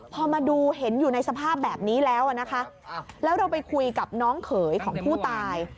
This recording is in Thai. พอมาดูเห็นอยู่ในสภาพแบบนี้แล้วนะคะแล้วเราไปคุยกับน้องเขยของผู้ตาย